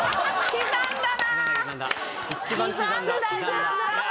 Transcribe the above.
刻んだな。